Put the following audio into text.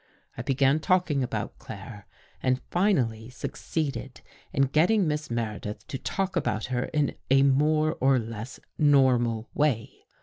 I began talking about Claire and finally succeeded In getting Miss Meredith to talk about her in a more or less normal way.